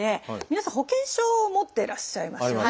皆さん保険証を持ってらっしゃいますよね。